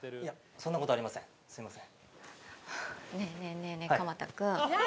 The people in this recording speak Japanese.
そんなことありません。